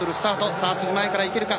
さあ、辻、前から行けるか。